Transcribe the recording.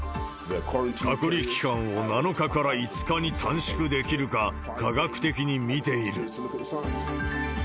隔離期間を７日から５日に短縮できるか、科学的に見ている。